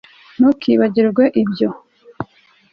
ntukibagirwe ibyo